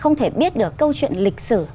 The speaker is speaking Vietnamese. không thể biết được câu chuyện lịch sử